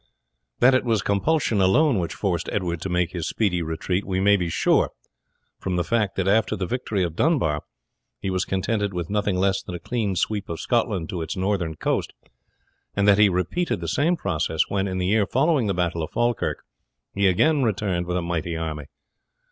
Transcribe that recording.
That it was compulsion alone which forced Edward to make his speedy retreat we may be sure from the fact that after the victory of Dunbar he was contented with nothing less than a clean sweep of Scotland to its northern coast, and that he repeated the same process when, in the year following the battle of Falkirk, he again returned with a mighty army.